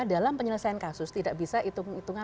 dalam penyelesaian kasus tidak bisa